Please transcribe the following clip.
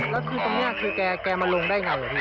แล้วคุณตรงนี้คุณมาลงได้ยังไง